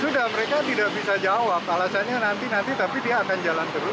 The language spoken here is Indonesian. sudah mereka tidak bisa jawab alasannya nanti nanti tapi dia akan jalan terus